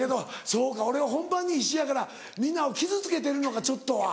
そうか俺は本番に必死やからみんなを傷つけてるのかちょっとは。